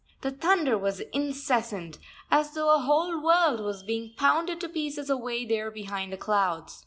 The thunder was incessant, as though a whole world was being pounded to pieces away there behind the clouds.